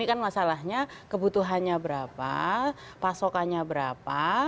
ini kan masalahnya kebutuhannya berapa pasokannya berapa